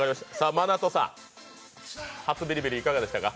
ＭＡＮＡＴＯさん、初ビリビリいかがでしたか？